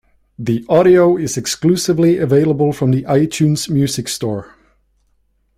The audio is exclusively available from the iTunes Music Store.